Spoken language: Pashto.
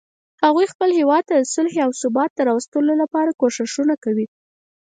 هغوی خپل هیواد ته د صلحې او ثبات راوستلو لپاره کوښښونه کوي